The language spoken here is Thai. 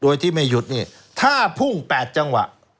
โดยที่ไม่หยุดเนี่ยถ้าพุ่ง๘จังหวะ